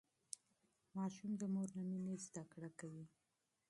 ماشوم د مور له مينې زده کړه کوي.